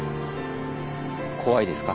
怖いですか？